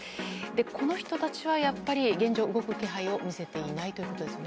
この人たちはやっぱり現状、動く気配を見せていないということですよね。